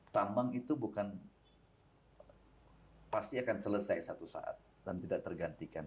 tambang itu bukan pasti akan selesai satu saat dan tidak tergantikan